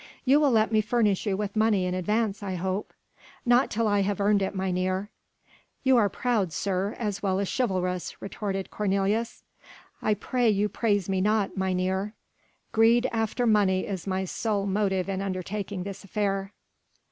"You will let me furnish you with money in advance, I hope." "Not till I have earned it, mynheer." "You are proud, sir, as well as chivalrous," retorted Cornelius. "I pray you praise me not, mynheer. Greed after money is my sole motive in undertaking this affair."